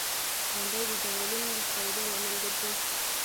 • غونډۍ د ځنګلونو د خپرېدو لامل ګرځي.